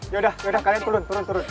yaudah yaudah kalian turun turun turun